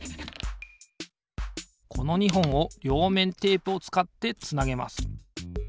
この２ほんをりょうめんテープをつかってつなげます。